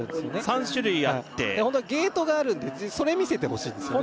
３種類あってホントはゲートがあるんでそれ見せてほしいんですよね